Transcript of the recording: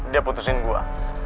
dia putusin gue